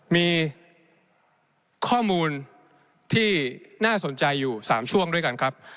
มีข้อมูลที่น่าสนใจอยู่๓ช่วงด้วยกันครับ